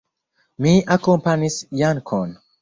Mi akompanis Jankon.